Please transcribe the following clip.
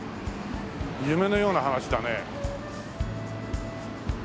夢のような話だね。